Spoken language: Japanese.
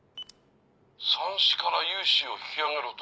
さんしから融資を引き上げろと？